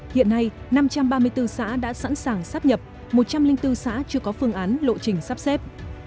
hiện nay năm trăm ba mươi bốn xã đã sẵn sàng sắp nhập một trăm linh bốn xã chưa có phương án lộ trình sắp xếp